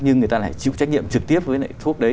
nhưng người ta lại chịu trách nhiệm trực tiếp với lại thuốc đấy